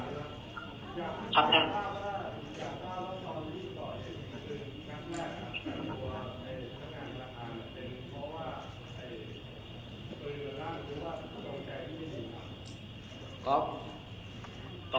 ครับครับ